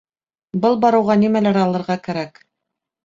Был барыуға нимәләр алырға кәрәк?